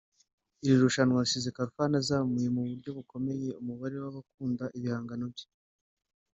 Iri rushanwa risize Khalfan azamuye mu buryo bukomeye umubare w’abakunda ibihangano bye